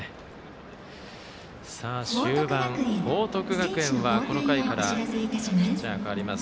終盤、報徳学園はこの回からピッチャー代わります。